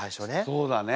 そうだね。